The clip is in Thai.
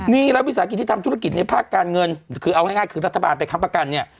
นี่แล้ววิสาหกิจที่ทำธุรกิจในภาคการเงินคือเอาง่ายคือรัฐบาลไปค้ำประกันเนี่ย